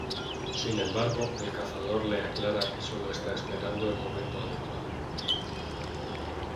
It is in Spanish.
Sin embargo el cazador le aclara que el solo está esperando el momento adecuado.